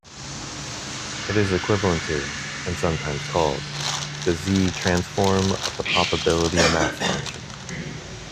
It is equivalent to, and sometimes called, the z-transform of the probability mass function.